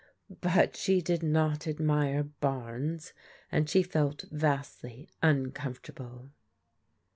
But she did not admire Barnes, and felt vastly uncomfort able.